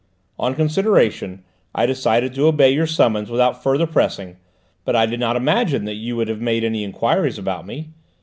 On consideration I decided to obey your summons without further pressing, but I did not imagine that you would have made any enquiries about me.